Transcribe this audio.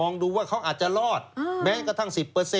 ดูว่าเขาอาจจะรอดแม้กระทั่ง๑๐